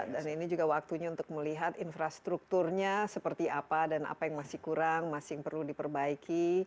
dan ini juga waktunya untuk melihat infrastrukturnya seperti apa dan apa yang masih kurang masih perlu diperbaiki